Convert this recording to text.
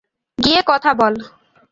গিয়ে কথা বল।